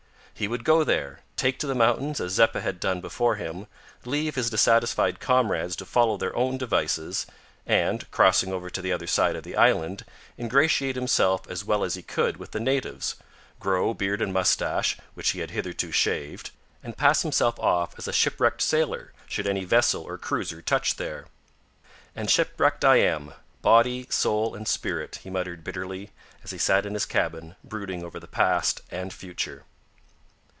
He would go there, take to the mountains as Zeppa had done before him, leave his dissatisfied comrades to follow their own devices, and, crossing over to the other side of the island, ingratiate himself as well as he could with the natives, grow beard and moustache, which he had hitherto shaved, and pass himself off as a shipwrecked sailor, should any vessel or cruiser touch there. "And shipwrecked I am, body, soul, and spirit," he muttered, bitterly, as he sat in his cabin, brooding over the past and future.